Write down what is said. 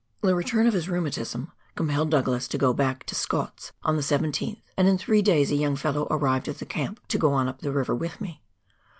The return of his rheumatism compelled Douglas to go back to Scott's on the 17th, and in three days a young fellow arrived at the camp, to go on up the river with me.